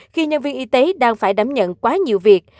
khi nhân viên y tế đang phải đảm nhận quá nhiều việc